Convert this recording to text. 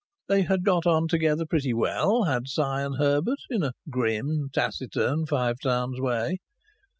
They had got on together pretty well, had Si and Herbert, in a grim, taciturn, Five Towns way.